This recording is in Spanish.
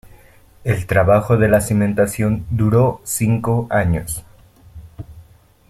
El trabajo de la cimentación duró cinco años.